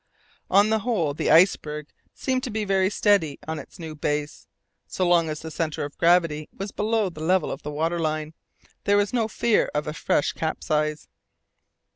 On the whole, the iceberg seemed to be very steady on its new base. So long as the centre of gravity was below the level of the water line, there was no fear of a fresh capsize.